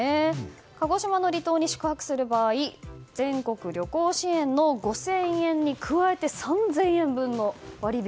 鹿児島の離島に宿泊する場合全国旅行支援の５０００円に加えて３０００円分の割引。